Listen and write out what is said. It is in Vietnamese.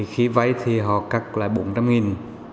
khi vay thì họ cắt lại bốn trăm linh nghìn